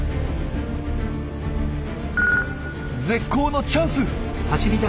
絶好のチャンス！